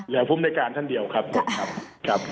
เหลือภูมิรายการทั้งเดียวครับ